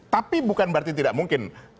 tapi bukan berarti tidak mungkin